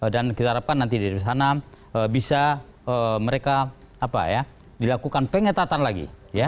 dan kita harapkan nanti dari sana bisa mereka dilakukan pengetatan lagi